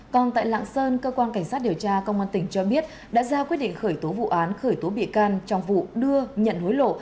còn tại lạng sơn cơ quan cảnh sát điều tra công an tỉnh cho biết đã ra quyết định khởi tố vụ án khởi tố bị can trong vụ đưa nhận hối lộ